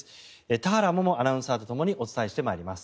田原萌々アナウンサーとともにお伝えしてまいります。